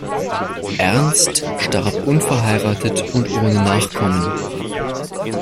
Ernst starb unverheiratet und ohne Nachkommen.